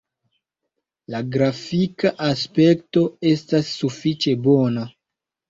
La grafika aspekto estas sufiĉe bona.